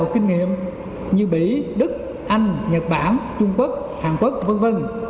kinh nghiệm như mỹ đức anh nhật bản trung quốc hàn quốc v v